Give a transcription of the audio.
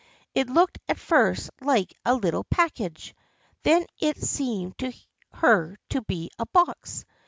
It looked at first like a little package. Then it seemed to her to be a box.